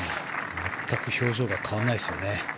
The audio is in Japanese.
全く表情が変わらないですよね。